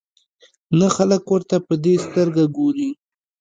نه خلک ورته په دې سترګه ګوري.